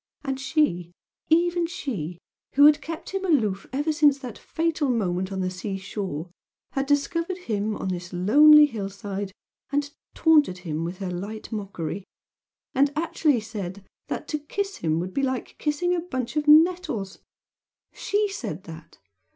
And she even she who had kept him aloof ever since that fatal moment on the seashore, had discovered him on this lonely hill side, and had taunted him with her light mockery and actually said that "to kiss him would be like kissing a bunch of nettles!" SHE said that!